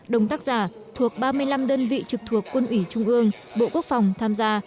đồng tác giả thuộc ba mươi năm đơn vị trực thuộc quân ủy trung ương bộ quốc phòng tham gia